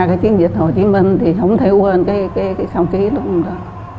cái chiến dịch hồ chí minh thì không thể quên cái sông ký lúc đó